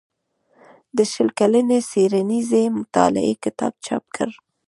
د شل کلنې څيړنيزې مطالعې کتاب چاپ کړ